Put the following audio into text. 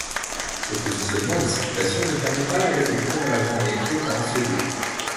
Le positionnement des circulations ne permet pas l'aller-retour dans la journée Autun - Saulieu.